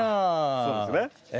そうですね。